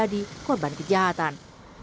jadi korban kejahatan